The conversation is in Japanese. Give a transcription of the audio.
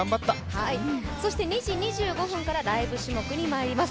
そして２時２５分からライブ種目にまいります。